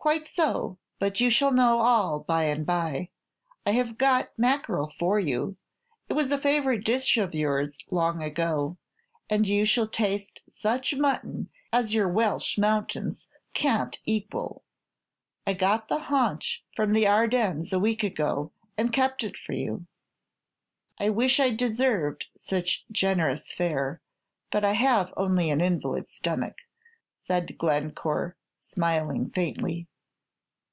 "Quite so; but you shall know all by and by. I have got mackerel for you. It was a favorite dish of yours long ago, and you shall taste such mutton as your Welsh mountains can't equal. I got the haunch from the Ardennes a week ago, and kept it for you." "I wish I deserved such generous fare; but I have only an invalid's stomach," said Glencore, smiling faintly.